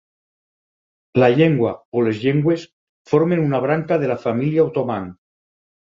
La llengua, o les llengües, formen una branca de la família otomang.